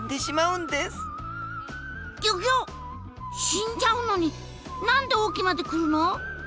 死んじゃうのに何で隠岐まで来るの？